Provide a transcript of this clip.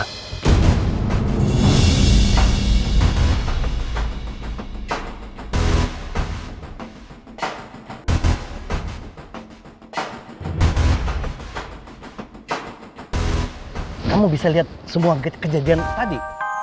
kamu bisa lihat semua kejadian tadi